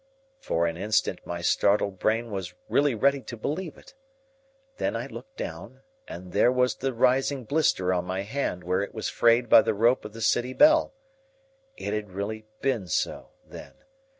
For an instant my startled brain was really ready to believe it. Then I looked down, and there was the rising blister on my hand where it was frayed by the rope of the city bell. It had really been so, then.